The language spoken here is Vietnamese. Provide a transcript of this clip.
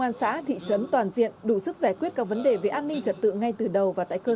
an xã thị trấn toàn diện đủ sức giải quyết các vấn đề về an ninh trật tự ngay từ đầu và tại cơ